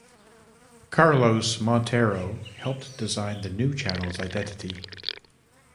Carlos Montero helped design the new channel's identity.